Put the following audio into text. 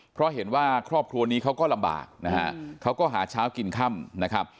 เพราะเห็นว่าครอบครัวนี้เขาก็ลำบากนะฮะเขาก็หาเช้ากินค่ำนะครับ